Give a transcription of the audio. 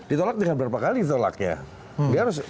ditolak dengan berapa kali ditolaknya